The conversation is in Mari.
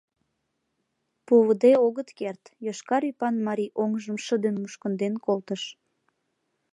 Пуыде огыт керт! — йошкар ӱпан марий оҥжым шыдын мушкынден колтыш.